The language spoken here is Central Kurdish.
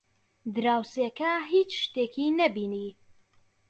دراوسێکە هیچ شتێکی نەبینی.